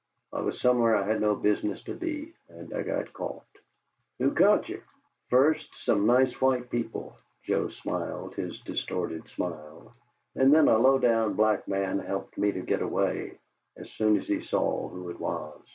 I was somewhere I had no business to be, and I got caught." "Who caught ye?" "First, some nice white people" Joe smiled his distorted smile "and then a low down black man helped me to get away as soon as he saw who it was.